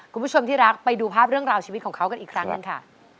คุณผู้ชมที่รักไปดูภาพเรื่องราวชีวิตของเขากันอีกครั้งหนึ่งค่ะ